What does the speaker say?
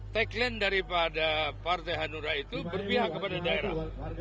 tagline daripada partai hanura itu berpihak kepada daerah